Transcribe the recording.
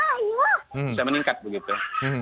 bisa meningkat begitu